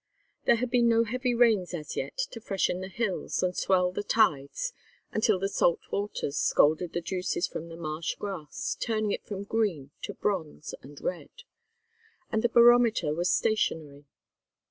There had been no heavy rains as yet to freshen the hills and swell the tides until the salt waters scalded the juices from the marsh grass, turning it from green to bronze and red; and the barometer was stationary.